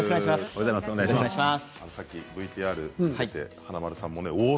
さっきＶＴＲで、華丸さんもおお！